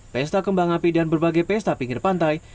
pesta kembang api dan berbagai pesta pinggir pantai